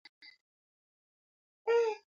افغانستان د بزګانو په اړه مشهور تاریخی روایتونه لري.